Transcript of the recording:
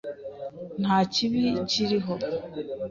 Nta kibi kiriho.